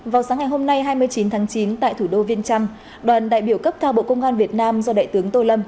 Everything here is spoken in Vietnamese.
vào sáng ngày hôm nay hai mươi chín tháng chín tại thủ đô viên trăm đoàn đại biểu cấp cao bộ công an việt nam do đại tướng tô lâm